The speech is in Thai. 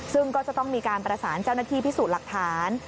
ซึ่งก็จะต้องมีการประสานเจ้าหน้าที่พิสูจน์หลักฐาน